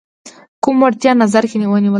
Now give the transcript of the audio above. کوم وړتیا نظر کې ونیول شي.